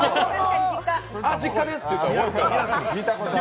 あっ実家ですって言ったら終わりと。